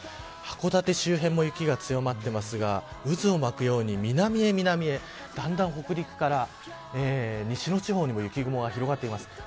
函館周辺も雪が強まっていますが渦を巻くように南へ南へ、だんだん北陸から西の地方にも雪雲が広がっています。